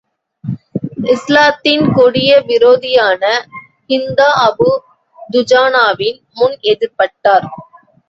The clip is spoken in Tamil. இஸ்லாத்தின் கொடிய விரோதியான, ஹிந்தா அபூ துஜானாவின் முன் எதிர்ப்பட்டார்.